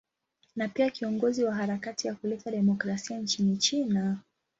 Ni pia kiongozi wa harakati ya kuleta demokrasia nchini China.